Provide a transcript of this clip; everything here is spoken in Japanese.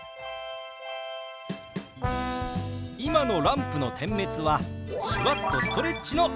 今のランプの点滅は手話っとストレッチの合図です！